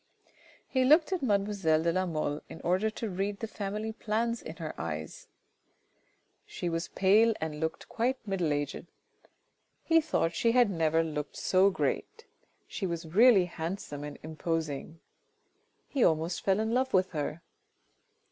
He looked at mademoiselle de la Mole in order to read the family plans in her eyes ; she 344 THE RED AND THE BLACK was pale and looked quite middle aged. He thought that she had never looked so great : she was really handsome and imposing ; he almost fell in love with her.